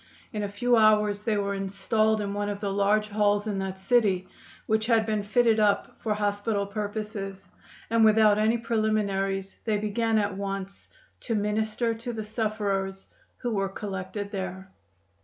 In a few hours they were installed in one of the large halls in that city, which had been fitted up for hospital purposes, and without any preliminaries they began at once to minister to the sufferers who were collected there.